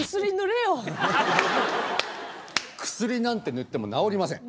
薬なんて塗っても治りません。